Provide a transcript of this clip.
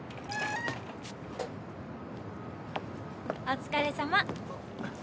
お疲れさま。